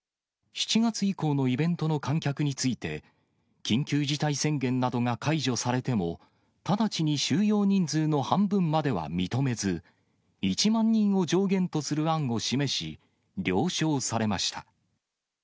７月以降のイベントの観客について、緊急事態宣言などが解除されても、直ちに収容人数の半分までは認めず、１万人を上限とする案を示し、了承されました。